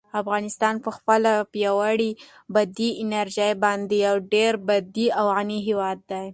افغانستان په خپله پیاوړې بادي انرژي باندې یو ډېر بډای او غني هېواد دی.